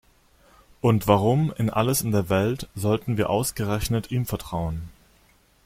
Und warum um alles in der Welt sollten wir ausgerechnet ihm vertrauen?